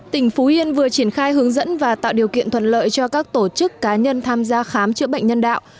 tỉnh phú yên vừa triển khai hướng dẫn và tạo điều kiện thuận lợi cho các tổ chức cá nhân tham gia khám chữa bệnh nhân đạo